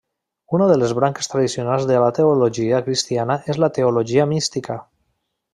Una de les branques tradicionals de la teologia cristiana és la teologia mística.